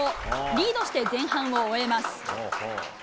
リードして前半を終えます。